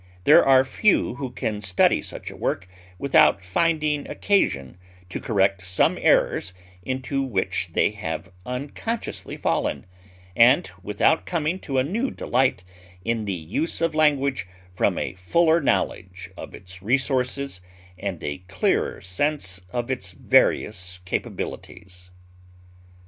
There are few who can study such a work without finding occasion to correct some errors into which they have unconsciously fallen, and without coming to a new delight in the use of language from a fuller knowledge of its resources and a clearer sense of its various capabilities.